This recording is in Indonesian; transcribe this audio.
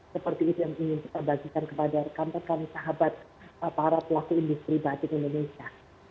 seperti itu yang ingin kita bagikan kepada rekan rekan sahabat para pelaku industri batik indonesia